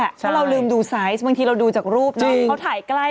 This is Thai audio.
ใช่ใช่สายถ้าเราลืมดูสายบางทีเราดูจักรูปเอาถ่ายใกล้ทำใหญ้